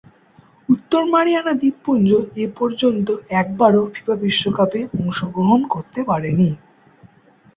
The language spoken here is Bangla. উত্তর মারিয়ানা দ্বীপপুঞ্জ এপর্যন্ত একবারও ফিফা বিশ্বকাপে অংশগ্রহণ করতে পারেনি।